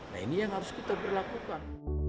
nah ini yang harus kita berlakukan